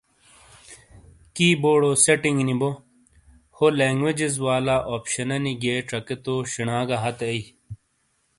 کی بورڈو سیٹینگینی بو، ہو لینگویجز والا اوپشنے نی گِئیے چَکے تو شینا گہ ہتے ائیی۔